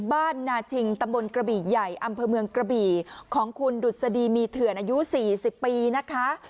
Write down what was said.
นาชิงตำบลกระบี่ใหญ่อำเภอเมืองกระบี่ของคุณดุษฎีมีเถื่อนอายุ๔๐ปีนะคะ